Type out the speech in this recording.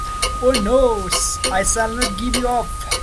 Oh no, I shall not give you up.